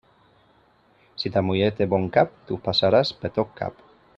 Si ta muller té bon cap, tu passaràs per tot cap.